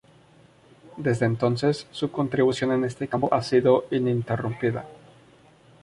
Desde entonces, su contribución en este campo ha sido ininterrumpida.